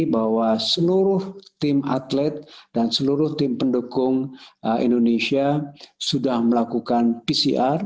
bahwa seluruh tim atlet dan seluruh tim pendukung indonesia sudah melakukan pcr